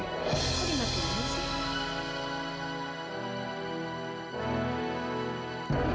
kok dimatikan sih